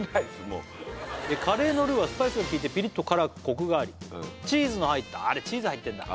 もうカレーのルーはスパイスが効いてピリッと辛くコクがありチーズの入ったあれチーズ入ってんだ